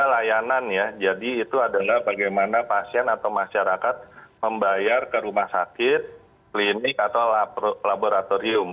ada layanan ya jadi itu adalah bagaimana pasien atau masyarakat membayar ke rumah sakit klinik atau laboratorium